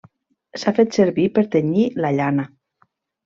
S'ha fet servir per tenyir la llana.